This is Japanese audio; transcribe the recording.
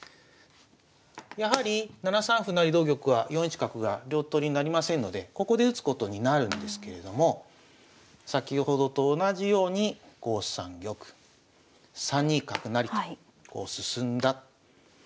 やはり７三歩成同玉は４一角が両取りになりませんのでここで打つことになるんですけれども先ほどと同じように５三玉３二角成とこう進んだように仮定しますね。